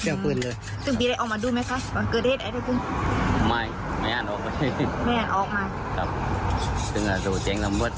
คุณเปลี่ยนได้ออกมาดูไหมคะวันเกิดเร็ดไหนครับคุณ